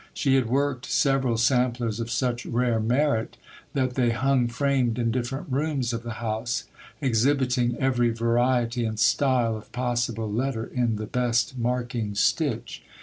She had worked several samplers of such rare merit, that they hung framed in different rooms of the house, exhibiting every variety and style of possible letter in the best marking stitch.